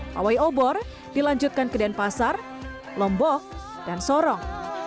pawai obor dilanjutkan ke denpasar lombok dan sorong